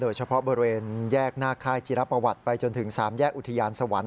เฉพาะบริเวณแยกหน้าค่ายจิรประวัติไปจนถึง๓แยกอุทยานสวรรค์